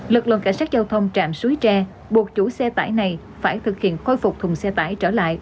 lực lượng cảnh sát giao thông trạm suối tre buộc chủ xe tải này phải thực hiện khôi phục thùng xe tải trở lại